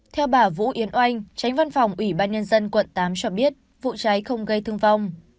theo bà vũ yến oanh tránh văn phòng ủy ban nhân dân quận tám cho biết vụ cháy không gây thương vong